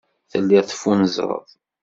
Telliḍ teffunzreḍ.